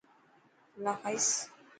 ڦلا کائيس.